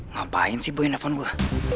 ngapain sih boy yang telepon gue